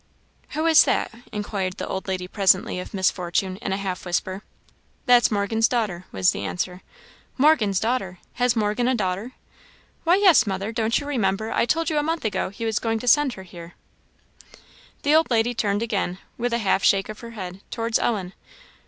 "Who is that?" inquired the old lady presently of Miss Fortune, in a half whisper. "That's Morgan's daughter," was the answer. "Morgan's daughter! Has Morgan a daughter?" "Why, yes, mother; don't you remember I told you a month ago he was going to send her here?" The old lady turned again, with a half shake of her head, towards Ellen.